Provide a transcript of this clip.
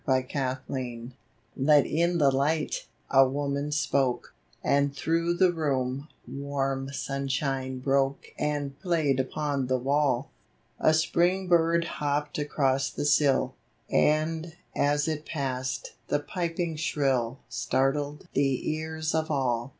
T ET in the light," a woman spoke, L^ And through the room warm sunshine broke And played upon the wall. A spring bird hopped across the sill, And, as it passed, the piping shrill Startled the ears of all.